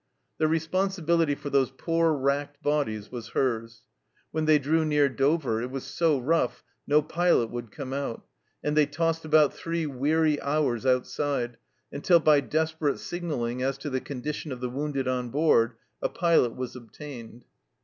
The responsibility for those poor racked bodies was hers. When they drew near Dover, it was so rough no pilot would come out, and they tossed about three weary hours outside, until by desperate signalling as to the condition of the wounded on board a pilot was obtained.